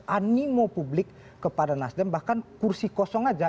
animo publik kepada nasdem bahkan kursi kosong aja